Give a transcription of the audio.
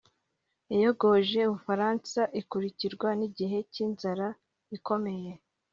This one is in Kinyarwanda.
yayogoje ubufaransa ikurikirwa n’igihe cy’inzara ikomeye